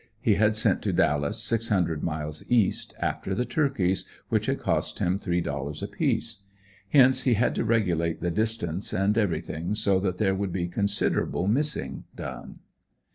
He had sent to Dallas, six hundred miles east, after the turkeys, which had cost him three dollars apiece. Hence he had to regulate the distance and everything so that there would be considerable missing done.